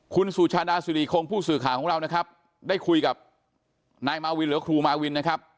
คุณสุชาดาสุริคงผู้สื่อข่าวของเรานะครับได้คุยกับนายมาวินหรือครูมาวินนะครับ